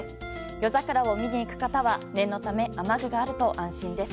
夜桜を見に行く方は念のため雨具があると安心です。